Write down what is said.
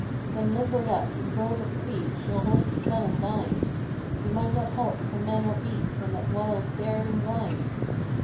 Then limbered up and drove at speed, though horses fell and died; We might not halt for man nor beast on that wild, daring ride.